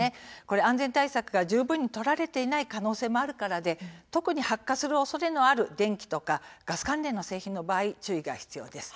安全対策が十分に取られていない可能性もあるから特に発火のおそれがある電気やガス関連の製品の場合は注意が必要です。